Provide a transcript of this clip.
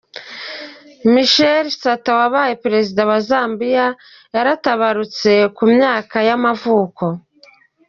Michael Sata, wabaye perezida wa wa Zambia yaratabarutse, ku myaka y’amavuko.